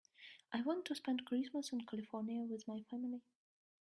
I want to spend Christmas in California with my family.